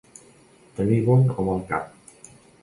Tenir bon o mal cap.